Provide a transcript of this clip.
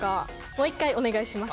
もう一回お願いします。